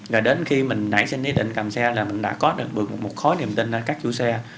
rồi đến khi mình nãy xin đi định cầm xe là mình đã có được một khối niềm tin các chú xe